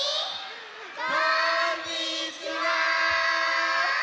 こんにちは！